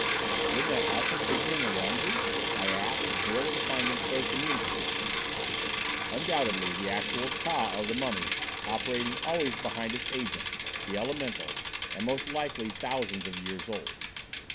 "Then that awful figure in the laundry?" I asked, thrilled to find him so communicative. "Undoubtedly the actual Ka of the mummy operating always behind its agent, the elemental, and most likely thousands of years old."